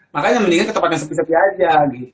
makanya mendingan ke tempat yang sepi sepi aja